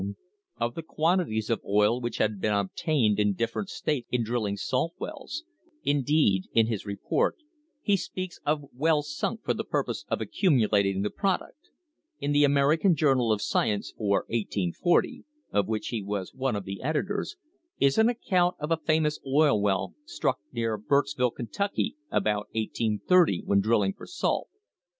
THE BIRTH OF AN INDUSTRY of the quantities of oil which had been obtained in different states in drilling salt wells; indeed, in his report (see Appen dix, Number i ) he speaks of "wells sunk for the purpose of accumulating the product." In the "American Journal of Sci ence" for 1840 — of which he was one of the editors — is an ac count of a famous oil well struck near Burkesville, Kentucky, about 1830, when drilling for salt.